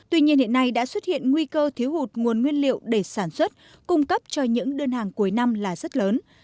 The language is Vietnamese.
tuy nhiên hiện nay đã xuất hiện nguy cơ thiếu hụt nguồn nguyên liệu để sản xuất cung cấp cho những đơn hàng cuối năm là rất lớn